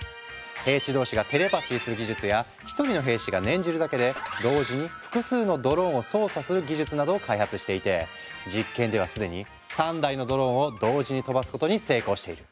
兵士同士がテレパシーする技術や１人の兵士が念じるだけで同時に複数のドローンを操作する技術などを開発していて実験ではすでに３台のドローンを同時に飛ばすことに成功している。